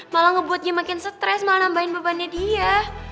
malah ngebuat dia makin stres malah nambahin bebannya dia